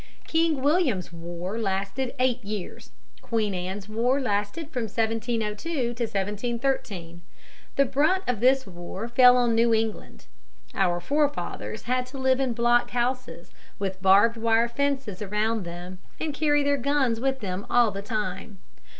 King William's War lasted eight years. Queen Anne's War lasted from 1702 to 1713. The brunt of this war fell on New England. Our forefathers had to live in block houses, with barbed wire fences around them, and carry their guns with them all the time.